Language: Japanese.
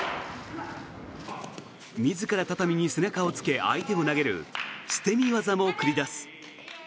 自ら畳に背中をつけ相手を投げる捨て身技も繰り出す。